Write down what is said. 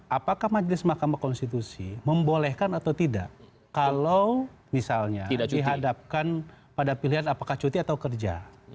apakah majelis mahkamah konstitusi membolehkan atau tidak kalau misalnya dihadapkan pada pilihan apakah cuti atau kerja